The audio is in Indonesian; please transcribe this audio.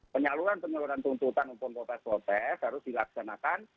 penyaluran penyaluran tuntutan maupun protes protes harus dilaksanakan